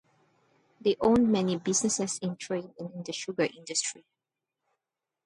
They owned many businesses in trade and in the sugar industry.